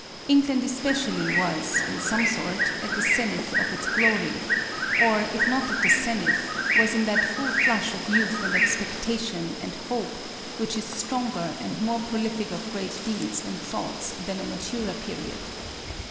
England especially was, in some sort, at the zenith of its glory; or, if not at the zenith, was in that full flush of youth and expectation and hope which is stronger and more prolific of great deeds and thoughts than a maturer period.